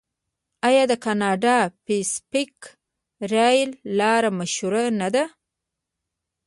آیا د کاناډا پیسفیک ریل لار مشهوره نه ده؟